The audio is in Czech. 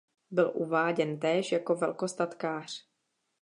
Byl uváděn též jako velkostatkář.